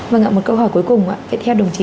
vâng ạ một câu hỏi cuối cùng ạ theo đồng chí